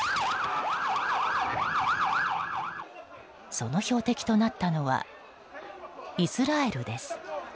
その標的となったのはイスラエルです。